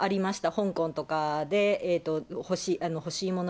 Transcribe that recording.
香港とかで、欲しいもの